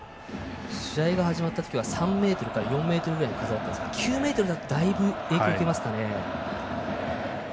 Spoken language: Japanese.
試合が始まった時は３メートルから４メートルの風だったんですが９メートルだとだいぶ、影響を受けますかね。